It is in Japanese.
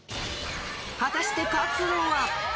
果たして勝つのは？